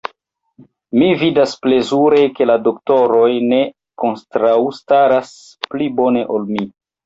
Mi vidas plezure, ke la doktoroj ne kontraŭstaras pli bone ol mi.